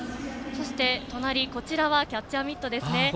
そして、隣のこちらはキャッチャーミットですね。